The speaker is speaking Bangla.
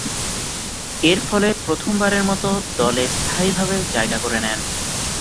এরফলে প্রথমবারের মতো দলে স্থায়ীভাবে জায়গা করে নেন।